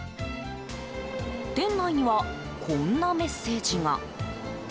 店内にはこんなメッセージが。